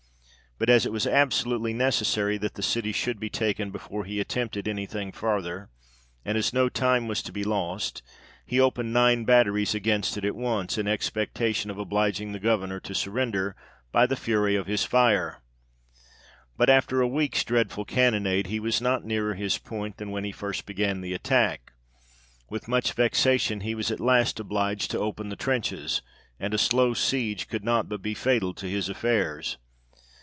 But as it was absolutely necessary that the city should be taken before he attempted any thing farther, and as no time was to be lost, he opened nine batteries against it at once, in expectation of obliging the Governor to surrender by the fury of his fire ; but after a week's dreadful cannonade, he was not nearer his point than when he first began the attack ; with much vexation he was at last obliged to open the trenches : and a slow siege could not but be fatal to his affairs.